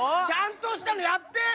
ちゃんとしたのやって！